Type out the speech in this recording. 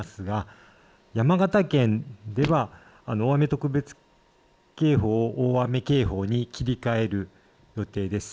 山形県では大雨特別警報大雨警報に切り替える予定です。